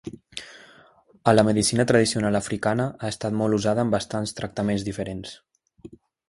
A la medicina tradicional africana, ha estat molt usada en bastants tractaments diferents.